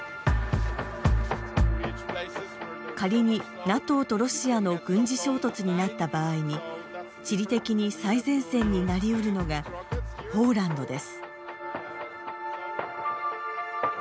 仮にＮＡＴＯとロシアの軍事衝突になった場合に地理的に最前線になりうるのがポーランドです。